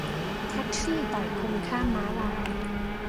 แท็กซี่ต่อยคนข้ามม้าลาย